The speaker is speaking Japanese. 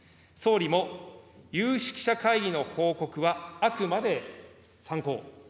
総理も、有識者会議の報告はあくまで、参考。